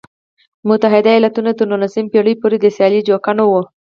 متحده ایالتونه تر نولسمې پېړۍ پورې د سیالۍ جوګه نه و.